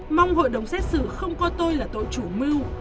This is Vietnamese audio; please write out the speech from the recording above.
mong hội đồng xét xử không coi tôi là tội chủ mưu